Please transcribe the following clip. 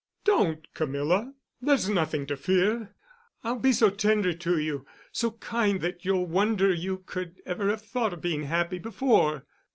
"Don't, Camilla—there's nothing to fear. I'll be so tender to you—so kind that you'll wonder you could ever have thought of being happy before.